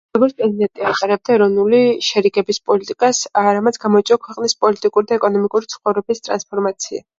როგორც პრეზიდენტი ატარებდა ეროვნული შერიგების პოლიტიკას, რამაც გამოიწვია ქვეყნის პოლიტიკური და ეკონომიკური ცხოვრების ტრანსფორმაცია.